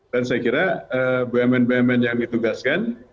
dan saya kira bumn bumn yang ditugaskan